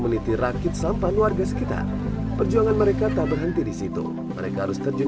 meniti rakit sampah warga sekitar perjuangan mereka tak berhenti di situ mereka harus terjun